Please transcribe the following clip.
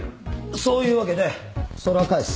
そういうわけでそれは返す。